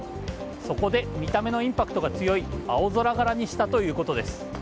そこで見た目のインパクトが強い青空柄にしたということです。